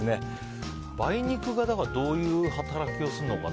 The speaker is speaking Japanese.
梅肉がどういう働きをするのかな。